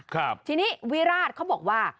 ครับทีนี้วิราชเขาบอกว่า